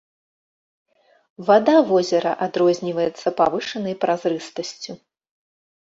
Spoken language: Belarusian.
Вада возера адрозніваецца павышанай празрыстасцю.